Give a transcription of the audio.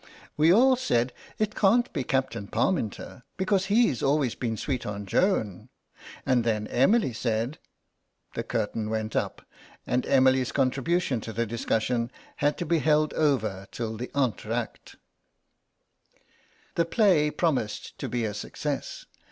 "We all said 'it can't be Captain Parminter, because he's always been sweet on Joan,' and then Emily said—" The curtain went up, and Emily's contribution to the discussion had to be held over till the entr'acte. The play promised to be a success.